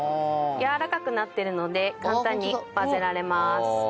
やわらかくなってるので簡単に混ぜられます。